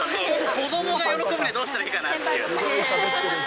子どもが喜ぶにはどうしたらいいかなって。